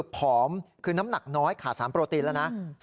๑ผอมคือน้ำหนักน้อยขาดสารโปรตีน